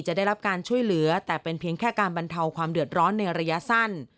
ได้รับการช่วยเหลือแต่เป็นเพียงแค่การบรรเทาความเดือดร้อนในระยะสั้น